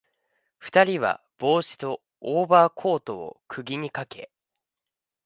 二人は帽子とオーバーコートを釘にかけ、